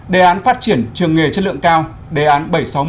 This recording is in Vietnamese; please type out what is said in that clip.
sáu đề án phát triển trường nghề chất lượng cao đề án bảy trăm sáu mươi một